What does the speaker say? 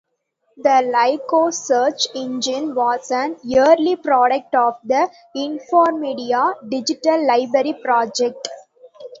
The Lycos search engine was an early product of the Informedia Digital Library Project.